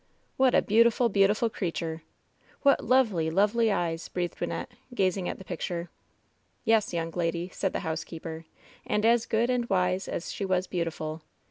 ^*What a beautiful, beautiful creature ! What lovely, lovely eyes I^' breathed Wynnette, gazing at the picture. "Yes, young lady," said the housekeeper, "and as good and wise as she was beautiful.